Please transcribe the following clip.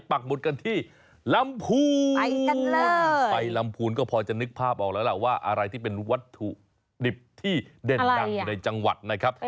ปักหมุดกันที่ลำพูนไปกันเลยไปลำพูนก็พอจะนึกภาพออกแล้วล่ะว่าอะไรที่เป็นวัตถุดิบที่เด่นดังอยู่ในจังหวัดนะครับ